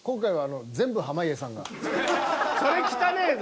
それ汚ぇぞ。